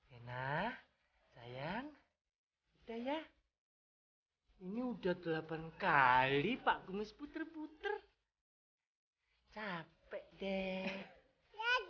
enak sayang daya ini udah delapan kali pak kumis puter puter capek deh lagi